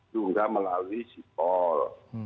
sudah melalui sipol